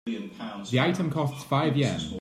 The item costs five Yen.